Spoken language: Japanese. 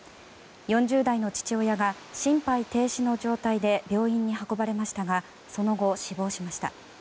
４０代の父親が心肺停止の状態で病院に運ばれましたがその後、死亡しました。